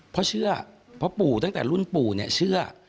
เพราะเชื่อเพราะปู่ตั้งแต่รุ่นปู่เนี่ยเชื่อ